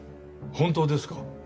本当ですか？